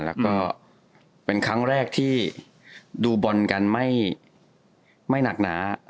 แล้วก็เป็นครั้งแรกที่ดูบอลกันไม่หนักหนา